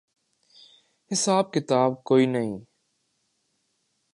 حساب کتاب کوئی نہیں۔